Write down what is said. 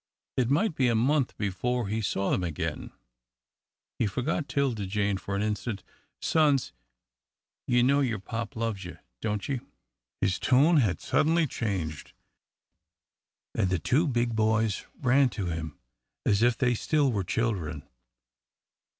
It might be a month before he saw them again. He forgot 'Tilda Jane for an instant, "Sons ye know yer pop loves ye, don't ye?" His tone had suddenly changed, and the two big boys ran to him as if they still were children.